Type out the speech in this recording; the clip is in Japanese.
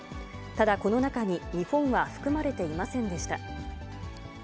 ただ、この中に日本は含まれていませんでした。